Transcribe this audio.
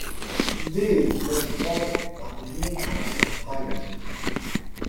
These were supported by an in-house compiler team.